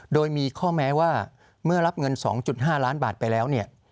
โดยมีข้อแม้ว่าเมื่อรับเงิน๒๕ล้านบาทไปแล้วเนี่ย